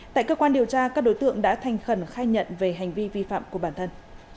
tại cơ quan điều tra các đối tượng đã thành khẩn khai nhận về hành vi vi phạm của bản thân